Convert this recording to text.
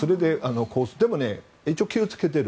でも、一応気を付けている。